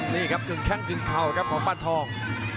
นี่ครับกึ่งแข้งกึ่งเข่าครับของปานทอง